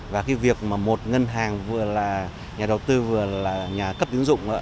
và cái việc mà một ngân hàng vừa là nhà đầu tư vừa là nhà cấp tín dụng